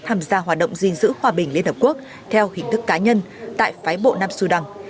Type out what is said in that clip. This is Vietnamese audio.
tham gia hoạt động gìn giữ hòa bình liên hợp quốc theo hình thức cá nhân tại phái bộ nam sudan